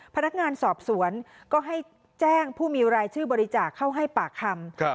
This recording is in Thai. พนักงานสอบสวนก็ให้แจ้งผู้มีรายชื่อบริจาคเข้าให้ปากคำ